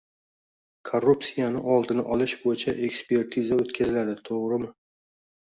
Korrupsiyani oldini olish bo‘yicha ekspertiza o‘tkaziladi to‘g‘rimi?